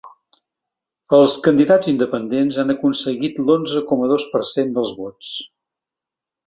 Els candidats independents han aconseguit l’onze coma dos per cent dels vots.